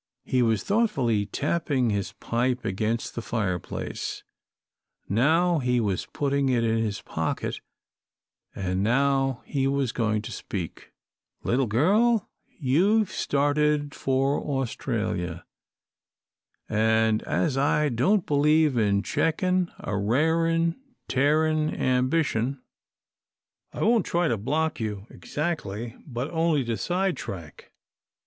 He was thoughtfully tapping his pipe against the fireplace, now he was putting it in his pocket, and now he was going to speak. [Illustration: "'TILDA JANE SAT LIKE A STATUE."] "Little girl, you've started for Australia, and as I don't believe in checking a raring, tearing ambition, I won't try to block you, exactly, but only to sidetrack.